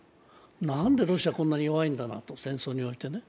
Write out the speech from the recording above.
何でロシア、こんな弱いのかなと、戦争においてね。